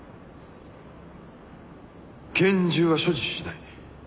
拳銃は所持しない。